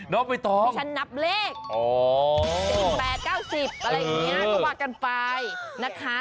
นะไม่ต้องมีฉันนับเลข๑๘๙๐ก็วาดกันไปนะคะ